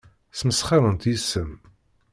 Ssmesxirent yes-m.